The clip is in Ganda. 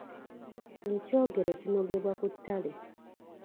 Ekyogero kinogebwa ku ttale.